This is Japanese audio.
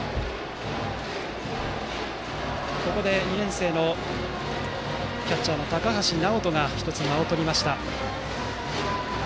ここで２年生のキャッチャーの高橋直叶が１つ、間をとりました。